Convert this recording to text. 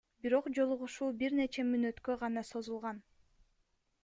Бирок жолугушуу бир нече мүнөткө гана созулган.